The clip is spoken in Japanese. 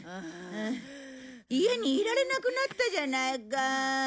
家にいられなくなったじゃないか。